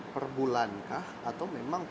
per bulan kah atau memang